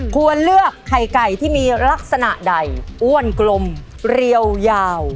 ควรเลือกไข่ไก่ที่มีลักษณะใดอ้วนกลมเรียวยาว